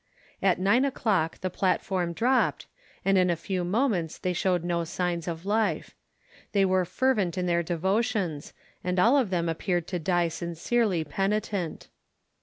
At nine o'clock the platform dropped, and in a few moments they showed no signs of life. They were fervent in their devotions, and all of them appeared to die sincerely penitent.